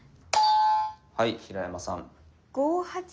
はい平山さん。